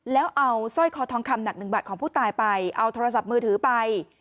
แล้วเอาสร้อยคอทองคำหนักหนึ่งบาทของผู้ตายไปเอาโทรศัพท์มือถือไป